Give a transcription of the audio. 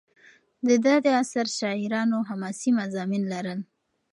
د ده د عصر شاعرانو حماسي مضامین لرل.